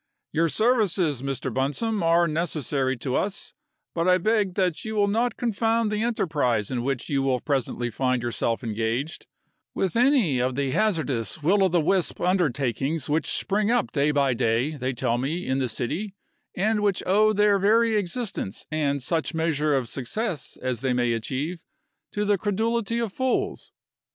"Your services, Mr. Bunsome, are necessary to us, but I beg that you will not confound the enterprise in which you will presently find yourself engaged, with any of the hazardous, will o' the wisp undertakings which spring up day by day, they tell me, in the city, and which owe their very existence and such measure of success as they may achieve, to the credulity of fools.